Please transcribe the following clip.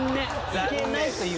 行けないという。